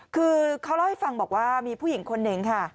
คือเขาเล่าให้ฟังบอกว่ามีผู้หญิงคนหนึ่งค่ะ